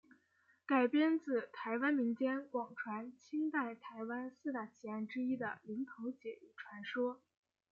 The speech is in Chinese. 改编自台湾民间广传清代台湾四大奇案之一的林投姐一传说。